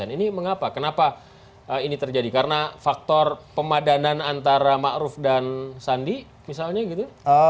ini mengapa kenapa ini terjadi karena faktor pemadanan antara ma'ruf dan sandi misalnya gitu